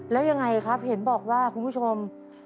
แล้วยังไงครับเห็นบอกว่าคุณผู้ชม